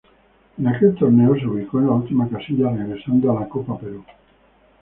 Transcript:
En aquel torneo se ubicó en la última casilla regresando a la Copa Perú.